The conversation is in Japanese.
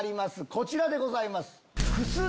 こちらでございます。